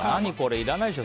いらないでしょ